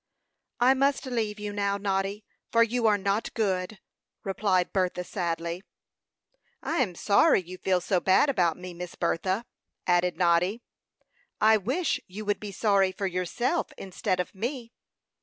"I must leave you now, Noddy, for you are not good," replied Bertha, sadly. "I am sorry you feel so bad about me, Miss Bertha," added Noddy. "I wish you would be sorry for yourself, instead of me."